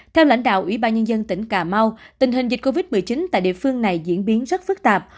theo lãnh đạo ủy ban nhân dân tỉnh cà mau tình hình dịch covid một mươi chín tại địa phương này diễn biến rất phức tạp